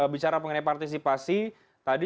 bicara mengenai partisipasi tadi